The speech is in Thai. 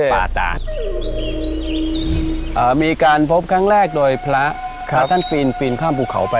หุบกับป่าตาดอ่ามีการพบครั้งแรกโดยพระท่านฟีนข้ามบุคเขาไป